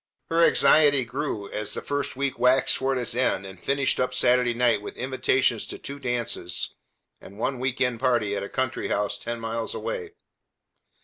Her anxiety grew as the first week waxed toward its end and finished up Saturday night with invitations to two dances and one week end party at a country house ten miles away.